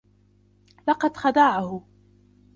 لقد خدعهُ.